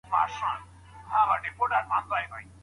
ولي کوښښ کوونکی د با استعداده کس په پرتله هدف ترلاسه کوي؟